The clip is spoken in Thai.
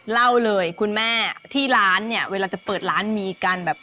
เล่าเลยคุณแม่ที่ร้านเนี่ยเวลาจะเปิดร้านมีการแบบ